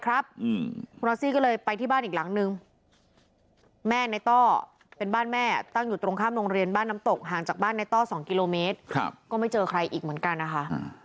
รอซี่ก็เลยไปที่บ้านอีกหลังนึงแม่ในต้อเป็นบ้านแม่ตั้งอยู่ตรงข้ามโรงเรียนบ้านน้ำตกห่างจากบ้านในต้อ๒กิโลเมตรก็ไม่เจอใครอีกเหมือนกันนะคะ